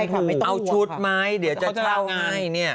ใช่ค่ะเอาชุดไหมเดี๋ยวเขาจะช่าง่าย